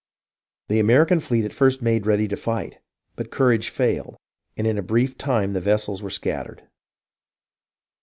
The American fleet at first made ready to fight, but courage failed, and in a brief time the vessels were scat tered.